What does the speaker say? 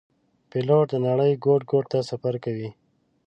پیلوټ د نړۍ ګوټ ګوټ ته سفر کوي.